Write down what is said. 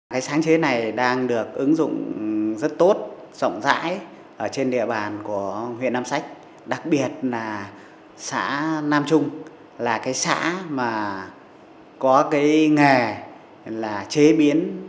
cái sáng chế này đang được ứng dụng rất tốt rộng rãi ở trên địa bàn của huyện nam sách đặc biệt là xã nam trung là cái xã mà có cái nghề là chế biến